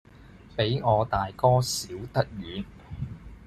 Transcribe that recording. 比我大哥小得遠，